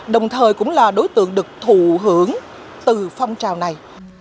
đồng thời cũng là đối tượng được thụ hưởng từ phong trào này